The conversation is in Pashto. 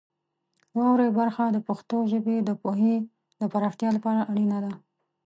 واورئ برخه د پښتو ژبې د پوهې د پراختیا لپاره اړینه ده.